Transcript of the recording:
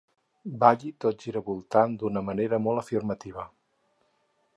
Balli tot giravoltant d'una manera molt afirmativa.